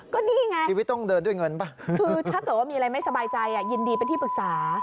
ก็นี่ไงคือถ้าเกิดว่ามีอะไรไม่สบายใจยินดีเป็นที่ปรึกษา